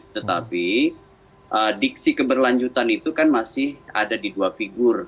tetapi diksi keberlanjutan itu kan masih ada di dua figur